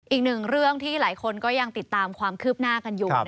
อีกหนึ่งเรื่องที่หลายคนก็ยังติดตามความคืบหน้ากันอยู่